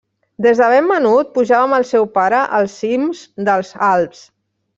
Des de ben menut, pujava amb el seu pare els cims dels Alps.